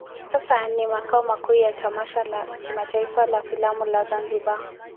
Sasa ni makao makuu ya tamasha la kimataifa la filamu la Zanzibar.